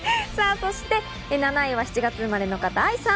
そして７位は７月生まれの方、愛さん。